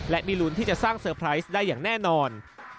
และมีลุ้นที่จะสร้างเซอร์ไพรส์ได้อย่างแน่นอน